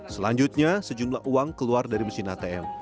selanjutnya sejumlah uang keluar dari mesin atm